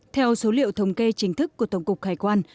theo số liệu thống kê chính thức của tổng cục hải quan